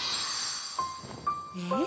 えっ？